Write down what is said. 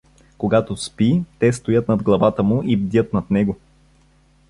Когато спи, те стоят над главата му и бдят над него.